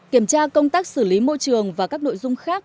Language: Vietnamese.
kiểm tra công tác xử lý môi trường và các nội dung khác